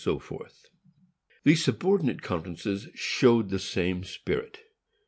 The subordinate conferences showed the same spirit.